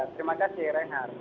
terima kasih renhar